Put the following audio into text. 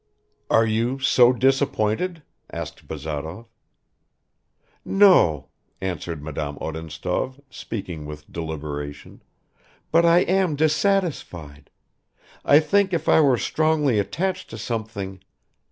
"Are you so disappointed?" asked Bazarov. "No," answered Madame Odintsov, speaking with deliberation, "but I am dissatisfied. I think if I were strongly attached to something